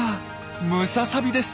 ムササビです。